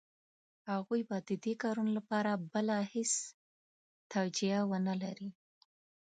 هغوی به د دې کارونو لپاره بله هېڅ توجیه ونه لري.